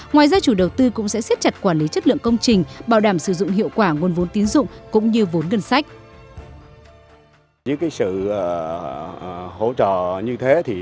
ngoài ra chủ đầu tư cũng sẽ xếp chặt quản lý chất lượng công trình bảo đảm sử dụng hiệu quả nguồn vốn tín dụng cũng như vốn ngân sách